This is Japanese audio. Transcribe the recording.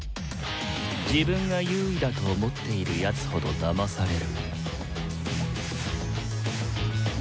自分が優位だと思っているやつほどだまされる。